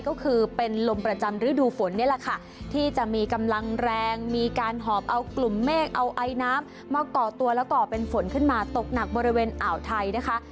ก็คือเป็นลมประจำฤดูฝนนี่แหละค่ะที่จะมีกำลังแรงมีการหอบเอากลุ่มเมฆเอาไอน้ำมาก่อตัวแล้วก่อเป็นฝนขึ้นมาตกหนักบริเวณอ่าวไทยนะคะ